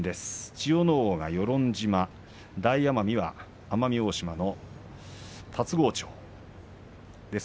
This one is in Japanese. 千代ノ皇が与論島大奄美は奄美大島の龍郷町です。